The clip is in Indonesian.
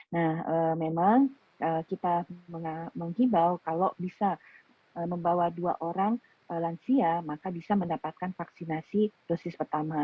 nah memang kita menghimbau kalau bisa membawa dua orang lansia maka bisa mendapatkan vaksinasi dosis pertama